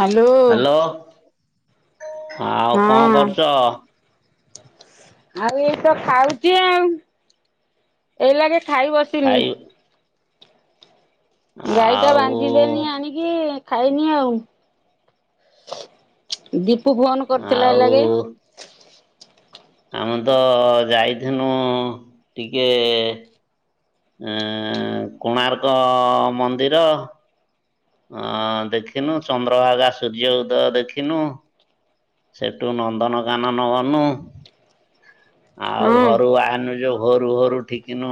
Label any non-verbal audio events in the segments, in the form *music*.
Hello. ଆଉ କଣ ହଁ କରୁଛ? ଆଉ ଏଇତ ଖାଉଛି ଆଉ ଏଇ ଲାଗେ ଖାଇ ବସିନି। ଖାଇ ଗାଈ ଟା ଆଉ ବାନ୍ଧିଦେନି ଆଣିକି ଖାଇନି ଆଉ ଦି ପୁ ଫୋନ କରିଥିଲା ଏଇ ଆଉ ଲାଗେ। ଆମେ ତ ଯାଇଥିନୁ ଟିକେ ଏଁ କୋଣାର୍କ ମନ୍ଦିର। ଅ ଦେଖିନୁ ଚନ୍ଦ୍ରଭାଗା ସୂର୍ଯ୍ୟ ଉଦୟ ଦେଖିନୁ। ସେଠୁ ନନ୍ଦନକାନନ ଗନୁ। ଆଉ ହଁ ଘରୁ ବାହାରିନୁ ଯୋଉ। ଘୋରୁ ଘୋରୁ ଠିକିନୁ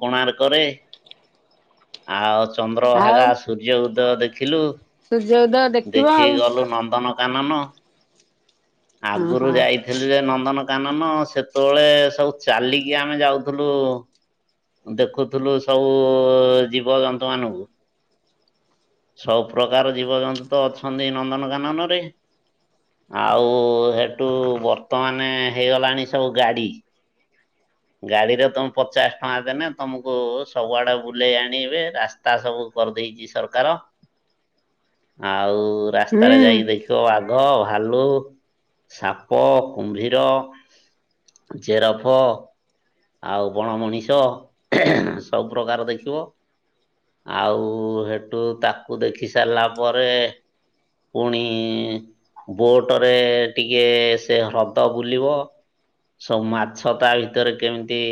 କୋଣାର୍ କରେ ଆଉ ଆଉ ଚନ୍ଦ୍ରଭାଗା ସୂର୍ଯ୍ୟ ଉଦୟ ଦେଖିଲୁ ସୂର୍ଯ୍ୟୋଦୟ ଦେଖିବ ଦେଖି ଆଉ ଗଲୁ ନନ୍ଦନ କାନନ ହଁ ଆଗରୁ ହଁ ଯାଇଥିଲି ଯେ ନନ୍ଦନ କାନନ ସେତେବେଳେ ସବୁ ଚାଲିକି ଆମେ ଯାଉଥୁଲୁ। ଦେଖୁଥୁଲୁ ସବୁ ଜୀବଜନ୍ତୁ ମାନଙ୍କୁ। ସବୁ ପ୍ରକାର ଜୀବଜନ୍ତୁ ତ ଅଛନ୍ତି ନନ୍ଦନକାନନ ରେ। ଆଉ ହେଠୁ ବର୍ତ୍ତମାନ ହେଇଗଲାଣି ସବୁ ଗାଡି। ଗାଡିରେ ତମେ ପଚାଶ ଟଙ୍କା ଦେନେ ତମକୁ ସବୁଆଡେ ବୁଲେଇ ଆଣିବେ ରାସ୍ତା ସବୁ କରିଦେ ଦେଇଛି ସରକାର। ଆଉ। ରାସ୍ତାରେ ହୁଁ ଯାଇକି ଦେଖିବ ବାଘ ଭାଲୁ ସାପ କୁମ୍ଭୀର। ଜେରଫ। ଆଉ ବଣ ମଣିଷ ସବୁପ୍ରକାର ଦେଖିବ। ଆଉ ହେଠୁ ତାକୁ ଦେଖି ସାରିଲା ପରେ ପୁଣି ବୋଟ ରେ ଟିକେ ସେ ହ୍ରଦ ବୁଲିବ। ସବୁ ମାଛ ତା ଭିତରେ କେମିତି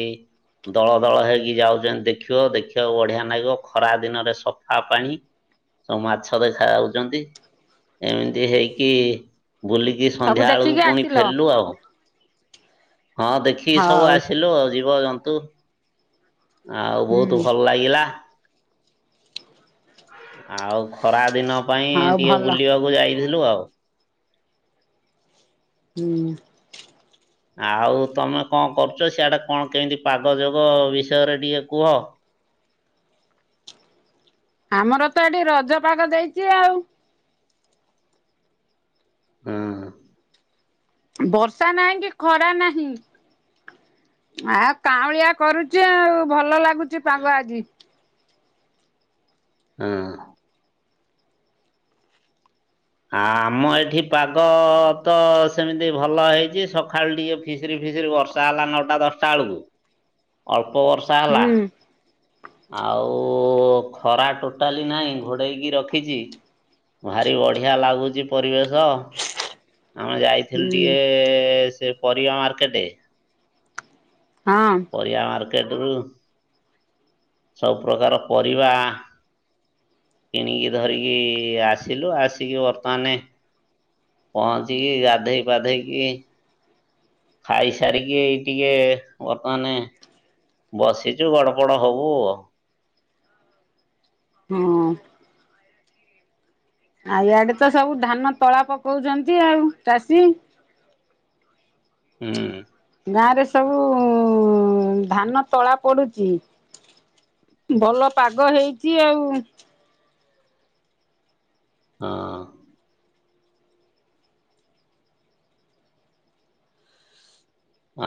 ଦଳ ଦଳ ହେଇକି ଯାଉଛନ୍ତି ଦେଖିବ ଦେଖିବାକୁ ବଢିଆ ନାଗିବ ଖରା ଦିନରେ ସଫା ପାଣି। ସବୁ ମାଛ ଦେଖାଯାଉଛନ୍ତି ଏମିତି ହେଇକି। ବୁଲିକି ସବୁ ସନ୍ଧ୍ୟା ବେଳକୁ ଦେଖିକି ପୁଣି ଆସିଲ ଫେରିଲୁ ଆଉ। ହଁ ଦେଖିକି ସବୁ ହଉ ଆସିଲୁ ଆ ଯିବ ଜନ୍ତୁ। ଆଉ ବହୁତ ହୁଁ ଭଲ ଲାଗିଲା ଆଉ ଖରା ଦିନ। ପାଇଁ ହଉ ଟିକେ ଭଲ ବୁଲିବାକୁ ଯାଇଥିଲୁ ଆଉ। ହୁଁ। ଆଉ ତମେ କଣ କରୁଛ ସିଆଡା କଣ କେମିତି ପାଗ ଯୋଗ ବିଷୟରେ ଟିକେ କୁହ। ଆମର ତ ଏଠି ରଜପାଗ ଦେଇଛି ଆଉ। ହଁ। ବର୍ଷା ନାହିଁ କି ଖରା ନାହିଁ। ଆଉ କାଉଁଳିଆ କରୁଛି ଆଉ ଭଲ ଲାଗୁଛି ପାଗ ଆଜି। ହଁ। ଆ ଆମ ଏଠି ପାଗ ତ ସେମିତି ଭଲ ହେଇଛି ସକାଳୁ ଟିକେ ଫିସରି ଫିସିରି ବର୍ଷା ହେଲା ନଅଟା ଦଶଟା ବେଳକୁ ଅଳ୍ପ ବର୍ଷା ହେଲା। ହୁଁ ଆଉ ଖରା ଟୋଟାଲି ନାହିଁ ଘୋଡେଇକି ରଖିଛି। ଭାରି ବଢିଆ ଲାଗୁଚି ପରିବେଶ। ଆମେ ଯାଇଥିଲୁ ହୁଁ ଟିକେ ସେ ପରିବା ମାର୍କେଟେ। ହଁ। ମାର୍କେଟ ରୁ ସବୁ ପ୍ରକାର ପରିବା। କିଣିକି ଧରିକି ଆସିଲୁ ଆସିକି ବର୍ତ୍ତମାନେ। ପହଞ୍ଚିକି ଗାଧେଇ ପାଧେଇକି। ଖାଇ ସାରିକି ଏଇ ଟିକେ ବର୍ତ୍ତମାନେ। ବସିଛୁ ଗଡ ପଡ ହବୁ ଆଉ। ହଁ ଆଉ ଇଆଡେ ତ ସବୁ ଧାନ ତଳା ପକଉଛନ୍ତି ଆଉ ଚାଷୀ। ହୁଁ। ଗାଁରେ ସବୁ ଧାନ ତଳା ପଡୁଚି। ଭଲ ପାଗ ହେଇଛି ଆଉ। ହଁ।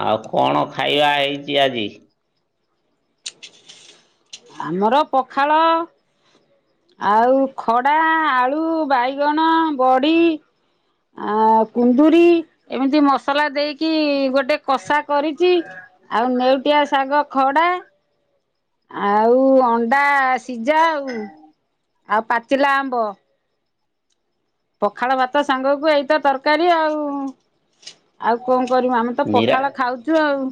ଆଉ କଣ ଖାଇବା ହେଇଚି ଆଜି? ଆମର ପଖାଳ। ଆଉ ଖଡା ଆଳୁ ବାଇଗଣ ବଡି। ଆଉ କୁନ୍ଦୁରି ଏମିତି ମସଲା ଦେଇକି ଗୋଟେ। କଷା କରିଛି ଆଉ ନେଉଟିଆ ଶାଗ ଖଡା। ଆଉ ଅଣ୍ଡା ସିଝା ଆଉ ଆଉ ପାଚିଲା ଆମ୍ବ। ପଖାଳ ଭାତ ସାଙ୍ଗ କୁ ଏଇତ ତରକାରୀ ଆଉ ଆଉ କ କରିବୁ ଆମେ ତ ନିରା ପଖାଳ ଖାଉଛୁ ଆଉ।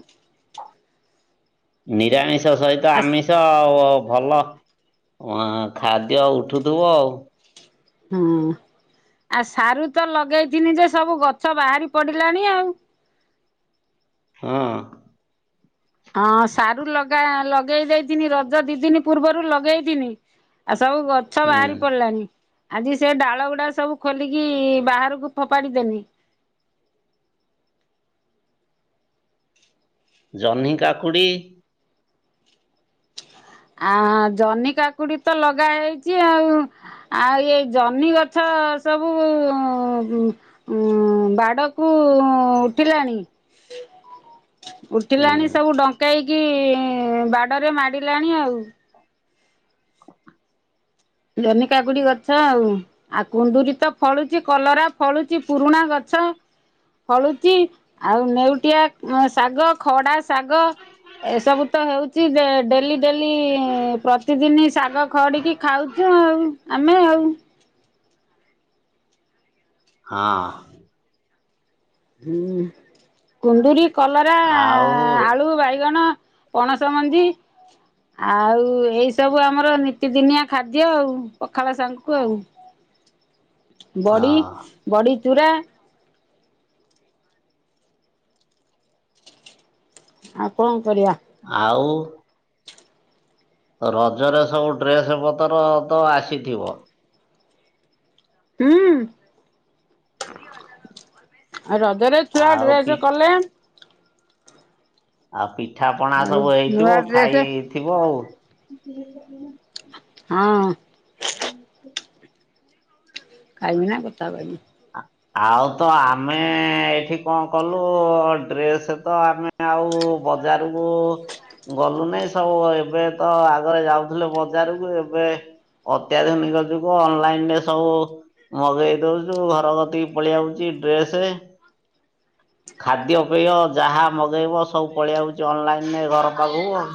ନିରାମିଷ ସହିତ ଆସ୍ ଆମିଷ ଆଉ। ଭଲ ଅଁ ଖାଦ୍ୟ ଉଠୁଥୁବ ଆଉ। ହଁ। ଆ ସାରୁ ତ ଲଗେଇଥିନି ଯେ ସବୁ ଗଛ ବାହାରି ପଡିଲାଣି ଆଉ। ହଁ। ହଁ ସାରୁ ଲଗା ଲଗେଇ ଦେଇଥିନି ରଜ ଦି ଦିନ ପୂର୍ବରୁ ଲଗେଇଥିନି ଆ ସବୁ ଗଛ ହୁଁ ବାହାରି ପଡିଲାଣି। ଆଜି ସେ ଡାଳ ଗୁଡା ସବୁ ଖୋଲିକି ବାହାରକୁ ଫୋପାଡିଦେନି।। ଜହ୍ନି କାକୁଡ଼ି। ଆଁ ଜହ୍ନି କାକୁଡି ତ ଲଗା ହେଇଛି ଆଉ ଆଉ ଏଇ ଜହ୍ନି ଗଛ। ଅ ସବୁ ଉଁ ଉଁ ବାଡ କୁ ଉଠିଲାଣି। ହ। ଉଠିଲାଣି ହଁ ସବୁ ଡଙ୍କେଇକି ବାଡରେ ମାଡ଼ିଲାଣି ଆଉ। ଜହ୍ନି କାକୁଡି ଗଛ ଆଉ ଆଉ କୁନ୍ଦୁରି ତ ଫଳୁଛି କଲରା। ଫଳୁଛି ପୁରୁଣା ଗଛ। ଫଳୁଛି ଆଉ ନେଉଟିଆ ଅ ଶାଗ ଖଡା ଶାଗ। ଏସବୁ ତ ହେଉଛି ଏ ଡେଲି ଡେଲି ପ୍ରତିଦିନି ଶାଗ ଖଡିକି ଖାଉ ଚୁ ଆଉ ଆମେ ଆଉ। ହଁ। ହୁଁ କୁନ୍ଦୁରି କଲରା ଆଉ ଆଳୁ ବାଇଗଣ। ପଣସ ମଞ୍ଜି। ଆଉ ଏଇ ସବୁ ଆମର ନିତିଦିନିଆ ଖାଦ୍ୟ ଆଉ ପଖାଳ ସାଙ୍ଗକୁ ଆଉ। ବଡ଼ି ହଁ ବଡ଼ି ଚୂୁରା। ଆଉ କଣ କରିବା। ଆଉ। ରଜରେ ସବୁ ଡ୍ରେସ ପତର ତ ଆସିଥିବ। ହୁଁ। ହ। ଆ ରଜରେ ଛୁଆ ଡ୍ରେସ୍ କଲେ ଆଉ ପିଠା ପଣା ଆଉ ସବୁ ନୂଆ ହେଇଥିବ ଡ୍ରେସ ଖାଇଥିବ ଆଉ। ହଁ। ହୁଁ। *unintelligible* ଆଉ ତ ଆମେ ଏଠି କଣ କଲୁ ଡ୍ରେସ ତ ଆମେ ଆଉ କୁ ବଜାରକୁ ଗଲୁ ନାଇଁ ସବୁ ଏବେ ତ ଆଗରେ ଯାଉଥିଲେ ବଜାରକୁ ଏବେ ଅତ୍ୟାଧୁନିକ ଯୁଗୁ ଅନଲାଇନ ରେ ସବୁ ମଗେଇ ଦଉ ଯୋଉ ଘର କତିକି ପଳେଇଆ ଆଉଚି ଡ୍ରେସ ଖାଦ୍ୟ ପେୟ ଯାହା ମଗେଇବ ସବୁ ପଳେଇଆଉଚି ଅନଲାଇନରେ ଘର ପାଖକୁ ଆଉ।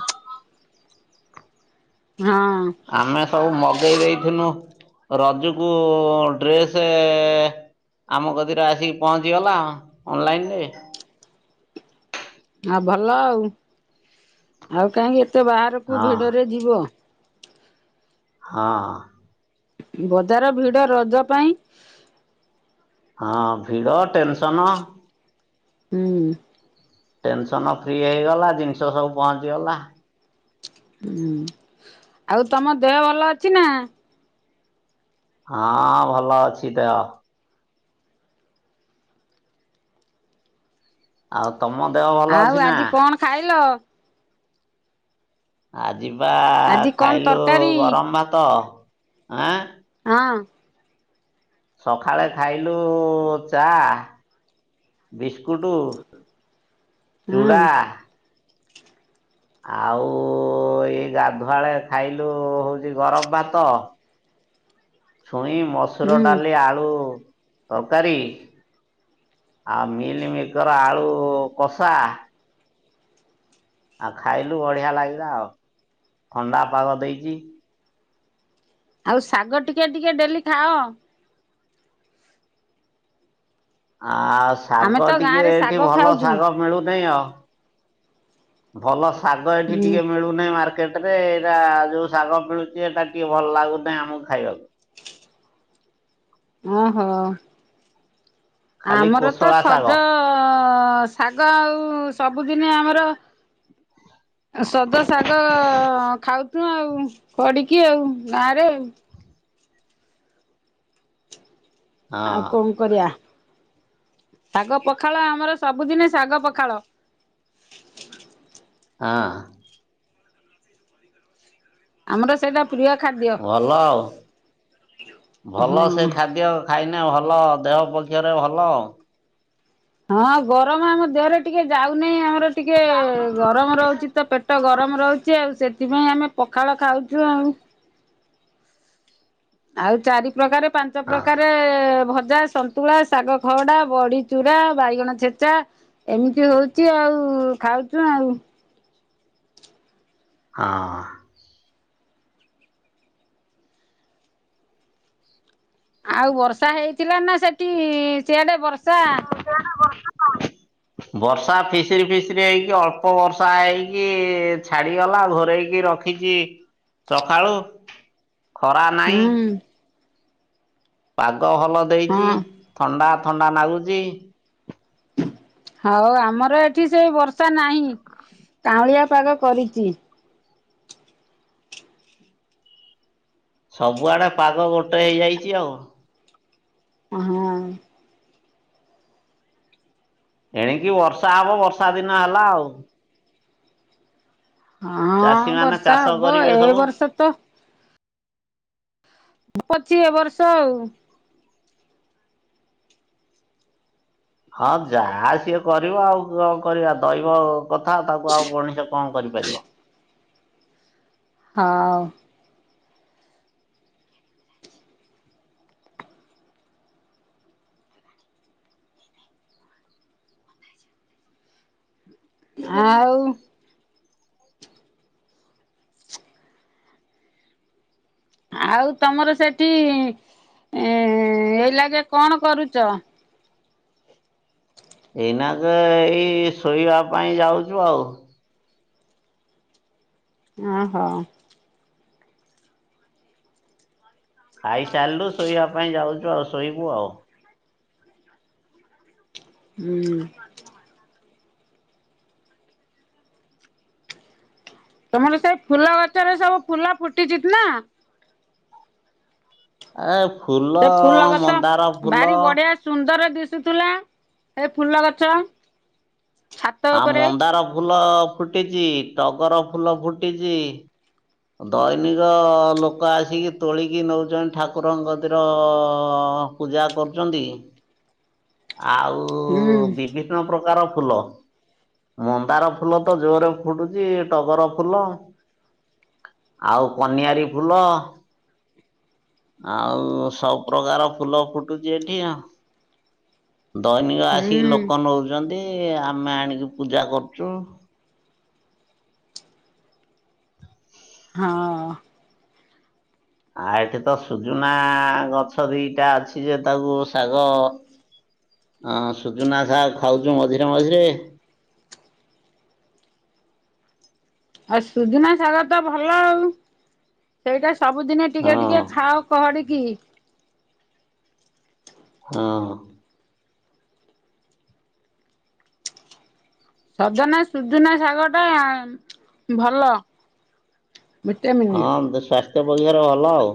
ହଁ ଆମେ ସବୁ ମଗେଇ ଦେଇଥିନୁ ରଜୁକୁ ଡ୍ରେସେ ଆମ କତିରେ ଆସିକି ପହଞ୍ଚିଗଲା ଅନଲାଇନ ରେ। । ଆ ଭଲ ଆଉ ଆଉ କାହିଁକି ଏତେ ବାହାରକୁ ହଁ ଭିଡରେ ଯିବ। ହଁ। ବଜାର ଭିଡ ରଜ ପାଇଁ ହଁ ଭିଡ ଟେନସନ ହୁଁ। ଟେନସନ ଫ୍ରି ହେଇଗଲା ଜିନିଷ ସବୁ ପହଞ୍ଚିଗଲା ହୁଁ ଆଉ ତମ ଦେହ ଭଲ ଅଛି ନା? ହଁ ଭଲ ଅଛି ଦେହ। ଆଉ ତମ ଦେହ ଭଲ ଆଉ ଅଛି ନା? ଆଜି କଣ ଖାଇଲ? ଆଜିିବା ଆଜି କଣ ଖାଇଲୁ ତରକାରୀ? ଗରମ ଭାତ ଆଁ ହଁ। ସକାଳେ ଖାଇଲୁ ଚା ବିସ୍କୁଟ ହୁଁ ଚୂଡ଼ା ଆଉ ଏଇ ଗାଧୁଆଳେ ଖାଇଲୁ ହଉଛି ଗରମ ଭାତ ଛୁଇଁ ମସୁର ହୁଁ ଡାଲି ଆଳୁ ତରକାରୀ ଆଉ ମିଲିମିକର ଆଳୁ କଷା ଆଉ ଖାଇଲୁ ବଢିଆ ଲାଗିଲା ଆଉ ଥଣ୍ଡା ପାଗ ଦେଇଚି ଆଉ ଶାଗ ଟିକେ ଟିକେ ଡେଲି ଖାଅ ଆ ଆମେ ଶାଗ ତ ଟିକେଏ ଗାଁରେ ଏଇଠି ଶାଗ ଭଲ ଖାଉଛୁ। ଶାଗ ମିଳୁନେଇ ଆଉ ଭଲ ଶାଗ ଏଠି ହୁଁ ଟିକେ ମିଳୁନେଇ ମାର୍କେଟ ରେ ଏରା ଯୋଉ ଶାଗ ମିିଳୁଛି ଏଇଟା ଟିକେ ଭଲ ଲାଗୁନେଇ ଆମକୁ ଖାଇବାକୁ ଓହୋ। ଖାଲି ଆମର ତ କୋଶଳା ଶାଗ ସଜ ଶାଗ ଆଉ ସବୁଦିନ ଆମର ର ସଜ ଶାଗ ଖାଉଚୁ ଆଉ ପଡିକି ଆଉ ଗାଁରେ ଆଉ ହଁ ଆଉ କଣ କରିବା ଶାଗ ପଖାଳ ଆମର ସବୁଦିନେ ଶାଗ ପଖାଳ ହ ହଁ। ଆମର ସେଇଟା ପ୍ରିୟ ଖାଦ୍ୟ ଭଲ ଆଉ ଭଲ ସେ ହଁ। ଖାଦ୍ୟ ଖାଇନି ଭଲ ଦେହ ପକ୍ଷରେ ଭଲ ଆଉ ହଁ ଗରମ ଆମ ଦେହରେ ଟିକେ ଯାଉନହିଁ ଆମର ଟିକେ ଗରମ ରହୁଚି ତ ପେଟ ଗରମ ରହୁ ଚି ଆଉ ସେଥିପାଇଁ ଆମେ ପଖାଳ ଖାଉଚୁ ଆଉ। ଆଉ ଚାରି ପ୍ରକାର ପାଞ୍ଚ ହଁ। ପ୍ରକାରେ ଭ ଜା ସନ୍ତୁଳା ଶାଗ ଖରଡା ବଡି ଚୁରା ବାଇଗଣ ଛେଚା ଏମିତି ହୋଉଚି ଆଉ। ଖାଉଚୁ ଆଉ। ହଁ। ଆଉ ବର୍ଷା ହେଇଥିଲା ନା ସେଠି ସିଆଡେ ବର୍ଷା? ବର୍ଷା ଫିସିରି ଫିସିରି ହେଇକି ଅଳ୍ପ ବର୍ଷା ହେଇକି ଛାଡିଗଲା ଘୋରେଇକି ରଖିଚି ସକାଳୁ ଖରା ନାଇଁ ହୁଁ ପାଗ ଭଲ ଦେଇଚି ହଁ ଥଣ୍ଡା ଥଣ୍ଡା ନାଗୁଚି। ହୋଉ ଆମର ଏଠି ସେ ବର୍ଷା ନାହିଁ କାଉଁଳିଆ ପାଗ କରିଚି। ସବୁଆଡେ ପାଗ ଗୋଟେ ହେଇଯାଇଚି ଆଉ। ହଁ। ଏଣିକି ବର୍ଷା ହବ ବର୍ଷା ଦିନ ହେଲା ଆଉ। ହଁ ଚାଷୀ ମାନେ ବର୍ଷା ଚାଷ ହବ କରିବେ ଏ ସବୁ। ବର୍ଷ ତ ପଚିଏ ବର୍ଷ ଆଉ ହଁ ଯାହା ସିଏ କରିବ ଆଉ କଣ କରିବା ଦ‌ଇବ କଥା ତାକୁ ଆଉ ମଣିଷ କଣ କରିପାରିବ। ହଉ। ଆଉ। ଆଉ ତମର ସେଠି ଏ-ଏଇ ଲାଗେ କଣ କରୁଚ? ଏଇନାକେ ଏଇ ଶୋଇବା ପାଇଁ ଯାଉଚୁ ଆଉ। ଓ ହୋ। ଖାଇସାରିଲୁ ଶୋଇବା ପାଇଁ ଯାଉଚୁ ଆଉ ଶୋଇବୁ ଆଉ। ହୁଁ। ତମର ସେଇ ଫୁଲ ଗଛରେ ସବୁ ଫୁଲ ଫୁଟିଚି ନା। ଏ ଫୁଲ ସେ ଗଛ ମନ୍ଦାର ଫୁଲ ଫୁଟୁ ଥିଲା ଏ ଫୁଲ ଗଛ। ଛାତ ଆଉ ଉପରେ ମନ୍ଦାର ଫୁଲ ଫୁଟିଚି ଟଗର ଫୁଲ ଫୁଟିଚି। ଦୈନିକ ଲୋକ ଆସିକି ତୋଳିକି ନୋଉଚନ୍ତି ଠାକୁରଙ୍କ କତିର ହଁ ପୂଜା କରୁଚନ୍ତି। *unintelligible* ଆଉ ହୁଁ ବିଭିନ୍ନ ପ୍ରକାର ଫୁଲ ମନ୍ଦାର ଫୁଲ ତ ଜୋରରେ ଫୁଟୁଚି ଟଗର ଫୁଲ ଆଉ କନିଆରୀ ଫୁଲ। ଆଉ ସବୁପ୍ରକାର ଫୁଲ ଫୁଟୁଚି ଏଠି ଆ ଦୈନିକ ଆସିକି ହୁଁ ଲୋକ ନୋଉଚନ୍ତି। ଆମେ ଆଣିକି ପୂଜା କରୁଚୁ। ହଁ। ଆଉ ଏଠି ତ ସୁଜୁନା ଗଛ ଦିଟା ଅଛି ଯେ ତାକୁ ଶାଗ ଅଂ ସୁଜୁନା ସାଗ ଖାଉଚୁ ମଝିରେ ମଝିରେ। *unintelligible* ଆଉ ସୁଜନା ସାଗ ତ ଭଲ ଆଉ ସେଇଟା ସବୁଦିନେ ଟିକେ ହଁ। ଟିକେ ଖାଅ ଖଡିକି। ହଁ। ସଜନା ସୁଜୁନା ଶାଗ ଟା ଭଲ। ଭିଟାମିନ୍। ହଁ ସ୍ୱାସ୍ଥ୍ୟ ପକ୍ଷାର ଭଲ ଆଉ।